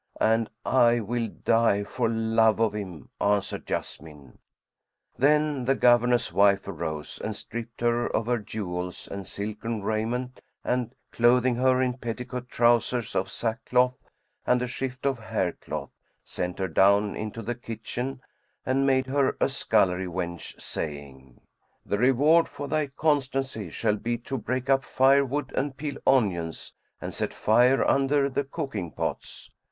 "And I will die for love of him," answered Jessamine. Then the Governor's wife arose and stripped her of her jewels and silken raiment and, clothing her in petticoat trousers of sack cloth and a shift of hair cloth, sent her down into the kitchen and made her a scullery wench, saying, "The reward for thy constancy shall be to break up fire wood and peel onions and set fire under the cooking pots."